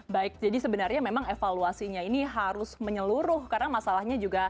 baik jadi sebenarnya memang evaluasinya ini harus menyeluruh karena masalahnya juga